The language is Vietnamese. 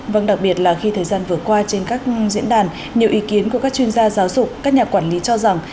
vâng đặc biệt là khi thời gian vừa qua trên các diễn đàn nhiều ý kiến của các chuyên gia giáo dục các nhà quản lý cho rằng